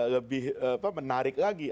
lebih menarik lagi